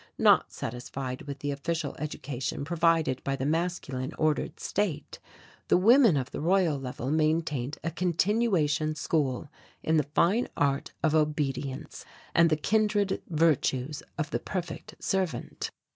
Not satisfied with the official education provided by the masculine ordered state, the women of the Royal Level maintained a continuation school in the fine art of obedience and the kindred virtues of the perfect servant.